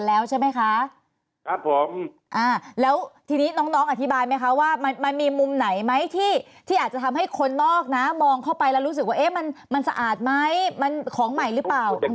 แล้วใช่ไหมคะครับผมแล้วทีนี้น้องอธิบายไหมคะว่ามันมีมุมไหนไหมที่อาจจะทำให้คนนอกนะมองเข้าไปแล้วรู้สึกว่าเอ๊ะมันสะอาดไหมมันของใหม่หรือเปล่า